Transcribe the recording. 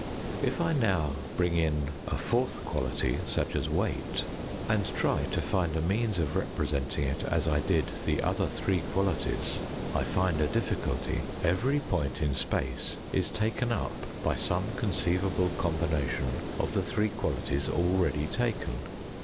If now I bring in a fourth quality, such as weight, and try to find a means of representing it as I did the other three qualities, I find a difficulty. Every point in space is taken up by some conceivable combination of the three qualities already taken.